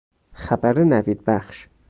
خبر نوید بخش